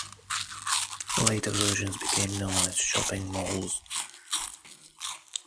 Later versions became known as shopping malls.